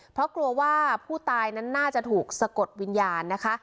เพราะกลัวว่าผู้ตายนั้นน่าจะถูกสะกดวิญญาณนะคะ